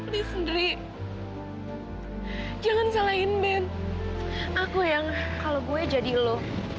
dia sendiri jangan salahin band aku yang kalau gue jadi lo